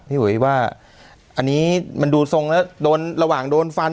หุยว่าอันนี้มันดูทรงแล้วโดนระหว่างโดนฟัน